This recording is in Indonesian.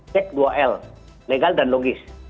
cek dua l legal dan logis